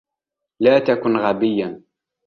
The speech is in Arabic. لا تكن غبيا.